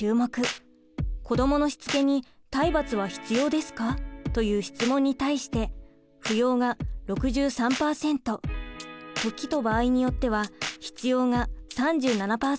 「子どものしつけに体罰は必要ですか？」という質問に対して「不要」が６３％「時と場合によっては必要」が３７％でした。